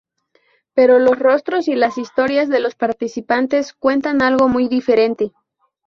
Pero los rostros y las historias de los participantes cuentan algo muy diferente.